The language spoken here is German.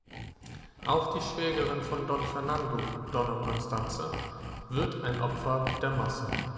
Auch die Schwägerin von Don Fernando, Donna Constanze, wird ein Opfer der Masse.